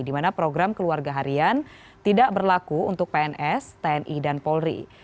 di mana program keluarga harian tidak berlaku untuk pns tni dan polri